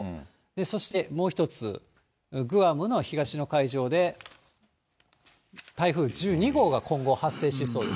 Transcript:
そしてもう１つ、グアムの東の海上で台風１２号が今後、発生しそうです。